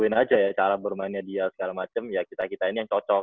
butuhin aja ya cara bermainnya dia segala macem ya kita kita ini yang cocok